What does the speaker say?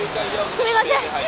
すみません。